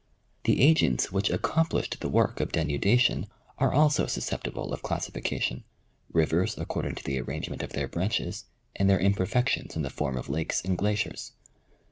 The agents which accomplished the work of denudation are also susceptible of classification : rivers according to the ar rangement of their branches, and their imperfections in the form of lakes and glaciers.